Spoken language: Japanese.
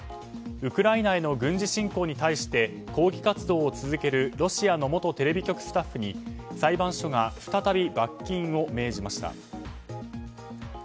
ウクライナへの軍事侵攻に対して抗議活動を続けるロシアの元テレビ局スタッフに裁判所が再び罰金を命じました。